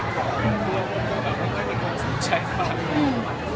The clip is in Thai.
ก็มันก็ติดต่อแล้วมันก็ไม่มีคนสุขใจมาก